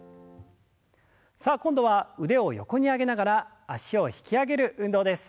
さあ今度は腕を横に上げながら脚を引き上げる運動です。